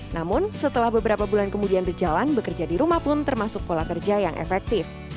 namun setelah beberapa bulan kemudian berjalan bekerja di rumah pun termasuk pola kerja yang efektif